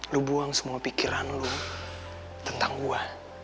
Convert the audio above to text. lu buang semua pikiran lo tentang gue